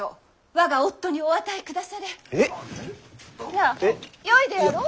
なあよいであろう？